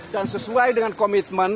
dan sesuai dengan komitmennya